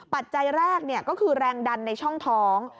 ปัจจัยแรกก็คือแรงดันในช่องท้อง